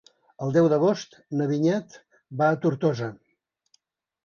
El deu d'agost na Vinyet va a Tortosa.